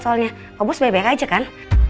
soalnya pak bos bebek aja kan